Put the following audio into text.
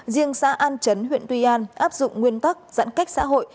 riêng xã an chấn huyện tuy an áp dụng nguyên tắc giãn cách xã hội